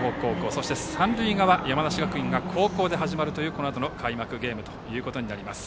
そして三塁側、山梨学院が後攻で始まるというこのあとの開幕ゲームとなります。